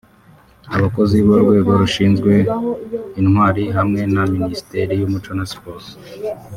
abakozi b’urwego rushinzwe intwari hamwe na Minisiteri y’Umuco na Siporo